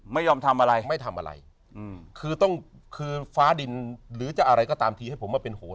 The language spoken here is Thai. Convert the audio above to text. ไม่ยอมทำอะไรไม่ทำอะไรอืมคือต้องคือฟ้าดินหรือจะอะไรก็ตามทีให้ผมมาเป็นโหน